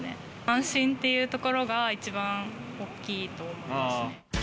安心っていうところが一番大きいと思いますね。